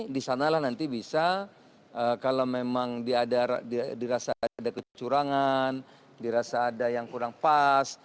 di sanalah nanti bisa kalau memang dirasa ada kecurangan dirasa ada yang kurang pas